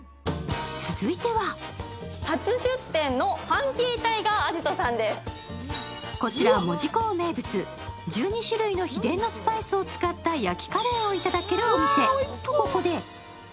続いてはこちら門司港名物１２種類の秘伝のスパイスを使った焼きカレーをいただけるお店。